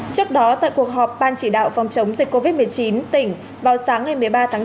trước đó tại cuộc họp ban chỉ đạo phòng chống dịch covid một mươi chín tỉnh vào sáng ngày một mươi ba tháng bốn